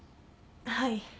はい。